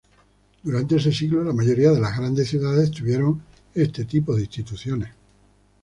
Durante ese siglo, la mayoría de las grandes ciudades tuvieron este tipo de instituciones.